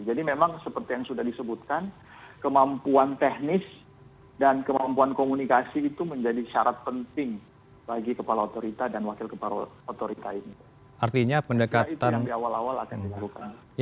jadi memang seperti yang sudah disebutkan kemampuan teknis dan kemampuan komunikasi itu menjadi syarat penting bagi kepala otorita dan wakil kepala otorita ini